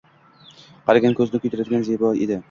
Qaragan ko`zni kuydiradigan zebo edi